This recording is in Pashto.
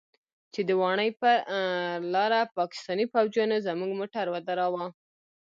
چې د واڼې پر لاره پاکستاني فوجيانو زموږ موټر ودراوه.